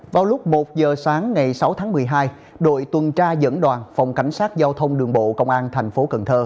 vào lúc một giờ sáng ngày sáu tháng một mươi hai đội tuần tra dẫn đoàn phòng cảnh sát giao thông đường bộ công an tp cn